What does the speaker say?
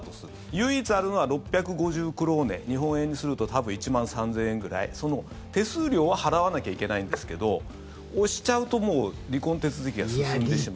唯一あるのは６５０クローネ日本円にすると多分１万３０００円ぐらい手数料は払わなきゃいけないんですけど押しちゃうと、もう離婚手続きが進んでしまう。